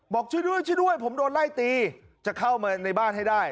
บอกช่วยด้วยช่วยด้วยผมโดนไล่ตีจะเข้ามาในบ้านให้ได้